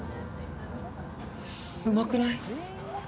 うまくない？